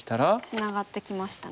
ツナがってきましたね。